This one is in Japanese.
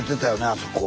あそこ。